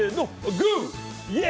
グー！